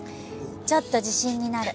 ちょっと自信になる。